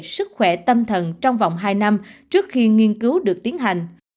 sức khỏe tâm thần trong vòng hai năm trước khi nghiên cứu được tiến hành